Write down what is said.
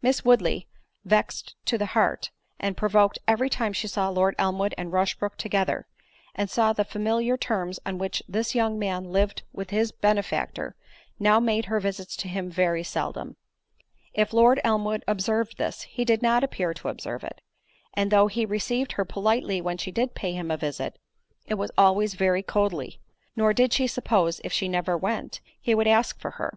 Miss Woodley, vexed to the heart, and provoked every time she saw Lord Elmwood and Rushbrook together, and saw the familiar terms on which this young man lived with his benefactor, now made her visits to him very seldom. If Lord Elmwood observed this, he did not appear to observe it; and though he received her politely when she did pay him a visit, it was always very coldly; nor did she suppose if she never went, he would ever ask for her.